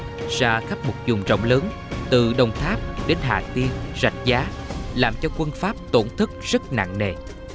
chiến địa ra khắp một dùng trọng lớn từ đồng tháp đến hạ tiên rạch giá làm cho quân pháp tổn thức rất nặng nề